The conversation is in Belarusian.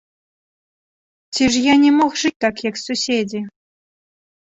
Ці ж я не мог жыць так, як суседзі?